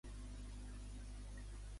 I a la Loreto?